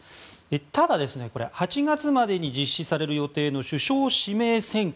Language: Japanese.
ただ、８月までに実施される予定の首相指名選挙